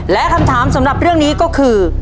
และคำถามสำหรับเรื่องนี้ก็คือ